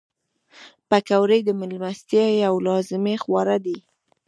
پکورې د میلمستیا یو لازمي خواړه دي